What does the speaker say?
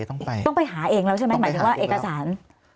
ต้องไปหาเองแล้วใช่ไหมหมายถึงว่าเอกสาร